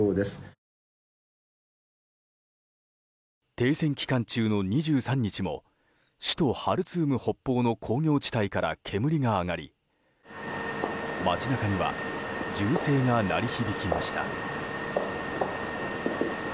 停戦期間中の２３日も首都ハルツーム北方の工業地帯から煙が上がり街中には銃声が鳴り響きました。